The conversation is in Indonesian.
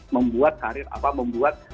membuat karir membuat